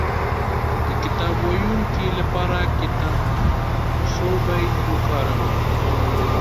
د کتاب ويونکي لپاره کتابڅوبی وکاروئ